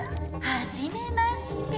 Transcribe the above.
ははじめまして。